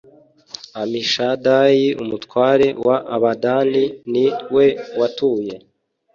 Amishadayi umutware w Abadani ni we watuye